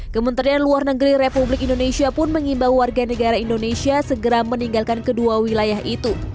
kementerian luar negeri republik indonesia pun mengimbau warga negara indonesia segera meninggalkan kedua wilayah itu